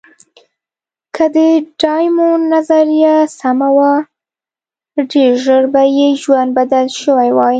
که د ډایمونډ نظریه سمه وه، ډېر ژر به یې ژوند بدل شوی وای.